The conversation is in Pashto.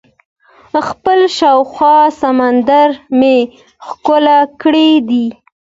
خپل شاوخوا سمندر مې ښکل کړی دئ.